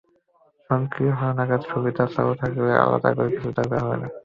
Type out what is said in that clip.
স্বয়ংক্রিয় হালনাগাদ সুবিধা চালু থাকলে আলাদা করে কিছু করার দরকার হবে না।